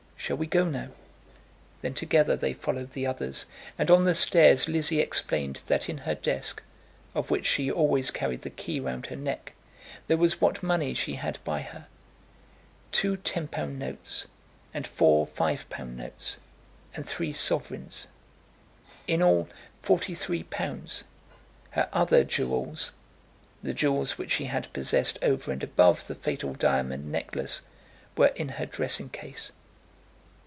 Shall we go now?" Then together they followed the others, and on the stairs Lizzie explained that in her desk, of which she always carried the key round her neck, there was what money she had by her; two ten pound notes, and four five pound notes, and three sovereigns; in all, forty three pounds. Her other jewels, the jewels which she had possessed over and above the fatal diamond necklace, were in her dressing case.